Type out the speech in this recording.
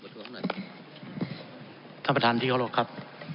ท่านประธานธิโรคครับ